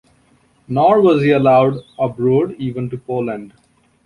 Nor was he allowed abroad, even to Poland.